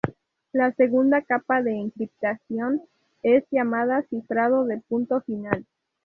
La segunda capa de encriptación es llamada cifrado de punto final.